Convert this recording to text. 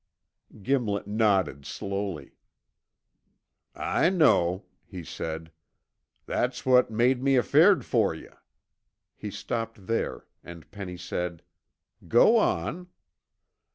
Gimlet nodded slowly. "I know," he said. "That's what made me afeared fer you." He stopped there, and Penny said: "Go on."